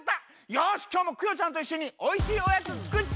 よしきょうもクヨちゃんといっしょにおいしいおやつつくっちゃおう！